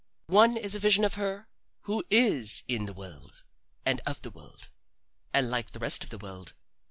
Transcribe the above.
One is a vision of her as one who is in the world and of the world, and like the rest of the world.